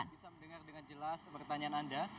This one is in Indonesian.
bisa mendengar dengan jelas pertanyaan anda